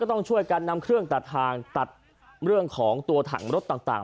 ต้องช่วยกันนำเครื่องตัดทางตัดเรื่องของตัวถังรถต่าง